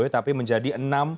tapi menjadi enam sembilan